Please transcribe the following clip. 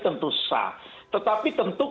tentu sah tetapi tentu